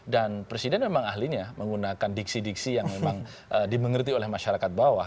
dan presiden memang ahlinya menggunakan diksi diksi yang memang dimengerti oleh masyarakat bawah